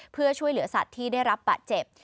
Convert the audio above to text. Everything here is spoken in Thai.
เพื่อช่วยเหลือสัตว์ที่ได้รับบาดเจ็บ